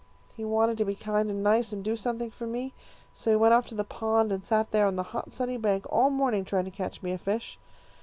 He wanted to be kind and nice, and do something for me, so he went off to the pond, and sat there on the hot sunny bank all morning, trying to catch me a fish.